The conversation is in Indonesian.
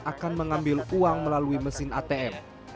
akan mengambil uang melalui mesin atm